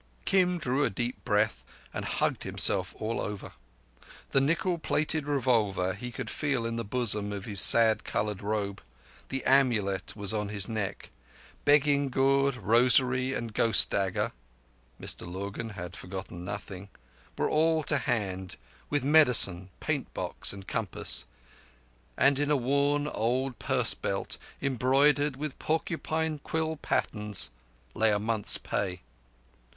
Kim drew a deep breath and hugged himself all over. The nickel plated revolver he could feel in the bosom of his sad coloured robe, the amulet was on his neck; begging gourd, rosary, and ghost dagger (Mr Lurgan had forgotten nothing) were all to hand, with medicine, paint box, and compass, and in a worn old purse belt embroidered with porcupine quill patterns lay a month's pay.